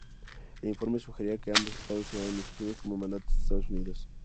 El informe sugería que ambos estados serían administrados como mandatos de Estados Unidos.